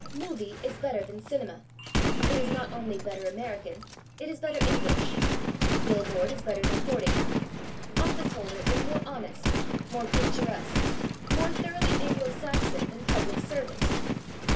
/Movie/ is better than /cinema/; it is not only better American, it is better English. /Bill board/ is better than /hoarding. Office holder/ is more honest, more picturesque, more thoroughly Anglo Saxon that /public servant